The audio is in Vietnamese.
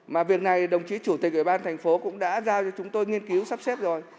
mà việc này đồng chí chủ tịch ủy ban thành phố cũng đã giao cho chúng tôi nghiên cứu sắp xếp rồi